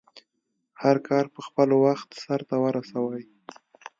هرکار په خپل وخټ سرته ورسوی